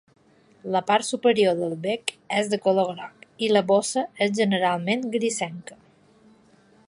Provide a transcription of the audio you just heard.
La part superior del bec és de color groc i la bossa és generalment grisenca.